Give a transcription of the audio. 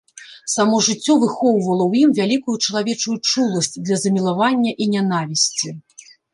Само жыццё выхоўвала ў ім вялікую чалавечую чуласць для замілавання і нянавісці.